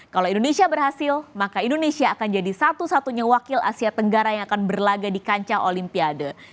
kalau indonesia berhasil maka indonesia akan jadi satu satunya wakil asia tenggara yang akan berlaga di kancah olimpiade